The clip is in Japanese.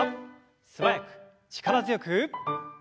素早く力強く。